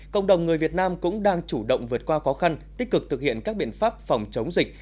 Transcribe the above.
cộng đồng người việt nam cũng đang chủ động vượt qua khó khăn tích cực thực hiện các biện pháp phòng chống dịch